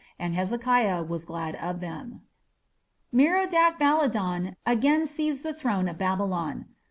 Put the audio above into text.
And Hezekiah was glad of them." Merodach Baladan again seized the throne of Babylon.